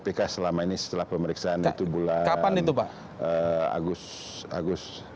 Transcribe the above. terhadap ppk selama ini setelah pemeriksaan itu bulan agustus